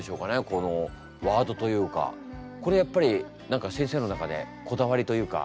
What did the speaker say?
このワードというかこれやっぱり何か先生の中でこだわりというか。